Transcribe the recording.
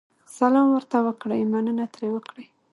سلام ورته وکړئ، مننه ترې وکړئ.